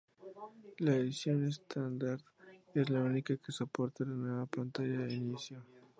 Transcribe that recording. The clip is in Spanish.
La edición Standard es la única que soporta la nueva pantalla Inicio.